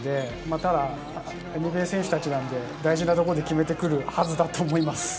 ただ、ＮＢＡ選手たちなので、大事なところで決めてくるはずだと思います。